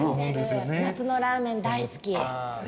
夏のラーメン大好き。